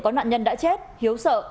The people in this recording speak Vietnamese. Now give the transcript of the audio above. có nạn nhân đã chết hiếu sợ